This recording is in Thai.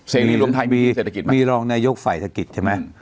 เสรีรวมไทยมีเศรษฐกิจไหมมีรองนายกฝ่ายเศรษฐกิจใช่ไหม